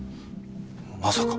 まさか。